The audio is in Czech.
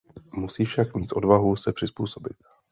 Musí však mít odvahu se přizpůsobit.